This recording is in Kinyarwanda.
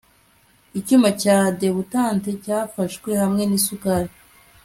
icyuma cya debutante cyafashwe hamwe nisukari